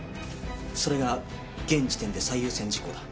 それが現時点で最優先事項だ。